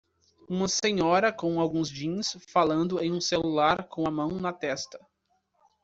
Uma senhora com alguns jeans falando em um celular com a mão na testa